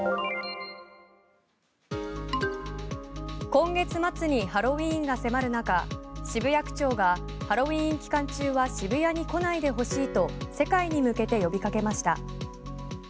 今月末にハロウィンが迫る中渋谷区長がハロウィン期間中は渋谷に来ないでほしいと世界に向けて呼びかけました。